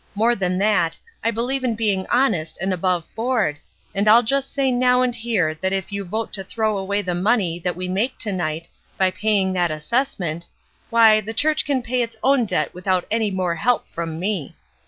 More than that, I believe in being honest and above board, and I'll just say now and here that if you vote to throw away the money that we make to night, by paying that assessment, why, the church can pay its own debt without any more help from me.